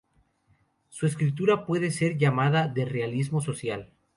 Su escritura puede ser llamada de realismo social.